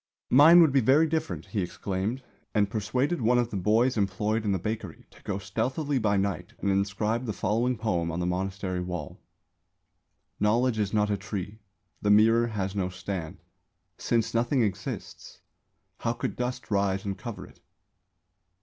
"Mine would be very different," he exclaimed, and persuaded one of the boys employed in the bakery to go stealthily by night and inscribe the following poem on the monastery wall: _Knowledge is not a tree; The Mirror has no stand; Since nothing exists, How could dust rise and cover it?